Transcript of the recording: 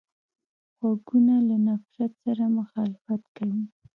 غوږونه له نفرت سره مخالفت کوي